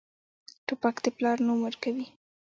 توپک د پلار نوم ورکوي.